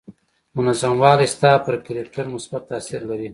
منظم والی ستا پر کرکټر مثبت تاثير لري.